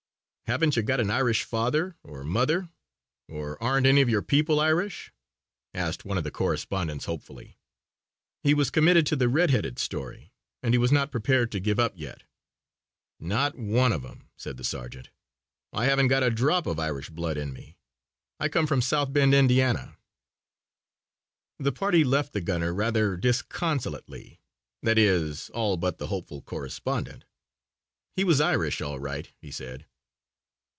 "Haven't you got an Irish father or mother or aren't any of your people Irish?" asked one of the correspondents hopefully. He was committed to the red headed story and he was not prepared to give up yet. "Not one of 'em," said the sergeant, "I haven't got a drop of Irish blood in me. I come from South Bend, Indiana." The party left the gunner rather disconsolately. That is, all but the hopeful correspondent. "He's Irish, all right," he said.